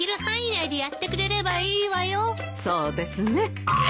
そうですね。